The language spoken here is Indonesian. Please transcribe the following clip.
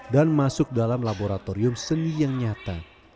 dan masuk dalam laboratorium seni yang nyata